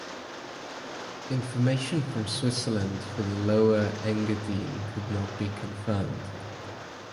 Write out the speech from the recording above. Information from Switzerland for the Lower Engadine could not be confirmed.